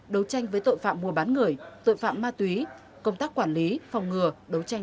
đấu tranh với tội phạm mua bán người tội phạm ma túy công tác quản lý phòng ngừa đấu tranh